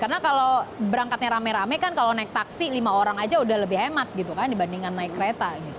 akadanya rame rame kan kalau naik taksi lima orang saja sudah lebih hemat dibandingkan naik kereta